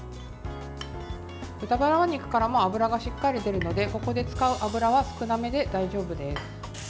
豚バラ肉からも脂がしっかり出るのでここで使う油は少なめで大丈夫です。